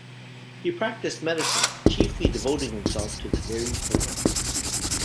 He practiced medicine, chiefly devoting himself to the very poor.